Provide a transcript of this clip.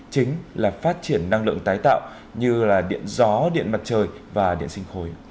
chính là phát triển năng lượng tái tạo như điện gió điện mặt trời và điện sinh khối